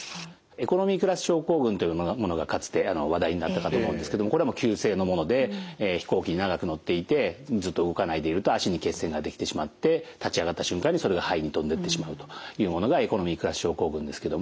エコノミークラス症候群というものがかつて話題になったかと思うんですけどこれも急性のもので飛行機に長く乗っていてずっと動かないでいると脚に血栓ができてしまって立ち上がった瞬間にそれが肺に飛んでってしまうというものがエコノミークラス症候群ですけども。